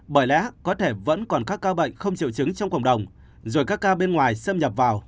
bởi lẽ có thể vẫn còn các ca bệnh không triệu chứng trong cộng đồng rồi các ca bên ngoài xâm nhập vào